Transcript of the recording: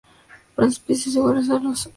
Los precios son iguales a los de Hollister Co.